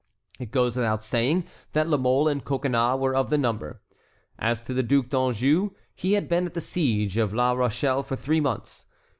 It goes without saying that La Mole and Coconnas were of the number. As to the Duc d'Anjou, he had been at the siege of La Rochelle for three months.